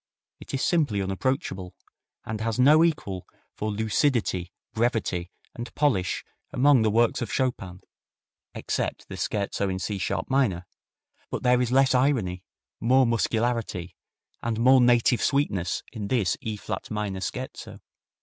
It is simply unapproachable, and has no equal for lucidity, brevity and polish among the works of Chopin, except the Scherzo in C sharp minor; but there is less irony, more muscularity, and more native sweetness in this E flat minor Scherzo.